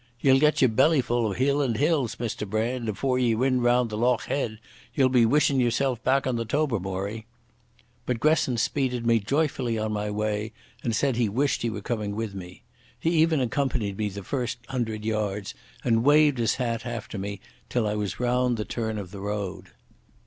"Ye'll get your bellyful o' Hieland hills, Mr Brand, afore ye win round the loch head. Ye'll be wishin' yerself back on the Tobermory." But Gresson speeded me joyfully on my way, and said he wished he were coming with me. He even accompanied me the first hundred yards, and waved his hat after me till I was round the turn of the road.